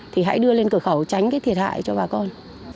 thì hãy đưa lên cửa khẩu tránh cái thiệt hại cho bà con